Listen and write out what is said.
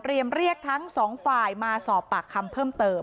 เรียกทั้งสองฝ่ายมาสอบปากคำเพิ่มเติม